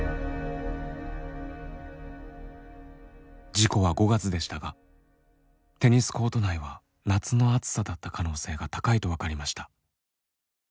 事故は５月でしたがテニスコート内は夏の暑さだった可能性が高いと分かりました。